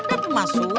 tidak ada pemasukan